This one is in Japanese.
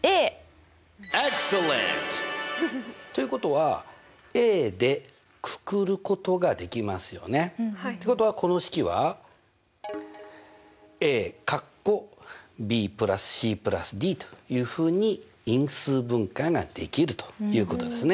Ｅｘｃｅｌｌｅｎｔ！ということはでくくることができますよね。ってことはこの式はというふうに因数分解ができるということですね。